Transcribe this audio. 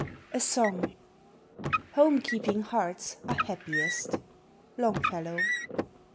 A Song. "Home keeping hearts are happiest." LONGFELLOW.